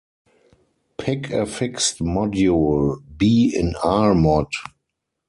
Pick a fixed module "B" in "R"-Mod.